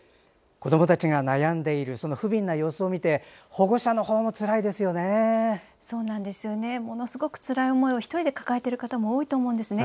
子どもたちが悩んでいるそのふびんな様子を見てものすごくつらい思いを１人で抱えている方も多いと思うんですね。